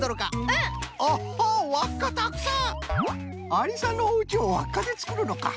ありさんのおうちをわっかでつくるのか。